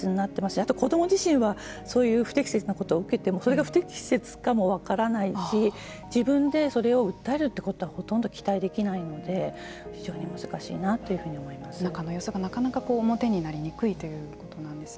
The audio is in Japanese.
あと子ども自身はそういう不適切なことを受けてもそれが不適切かも分からないし自分でそれを訴えるということはほとんど期待できないので非常に難しいなというふうに中の様子がなかなか表になりにくいということなんですね。